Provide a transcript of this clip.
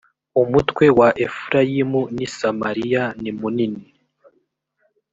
umutwe wa efurayimu ni samariya nimunini